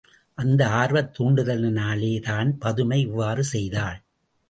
அந்த ஆர்வத் தூண்டுதலினாலேதான் பதுமை இவ்வாறு செய்தாள்.